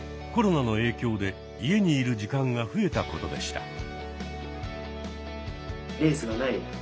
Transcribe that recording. コロナの影響で家にいる時間が増えたことでした。